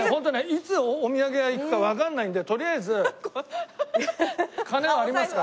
いつお土産屋行くかわからないんでとりあえず金はありますから。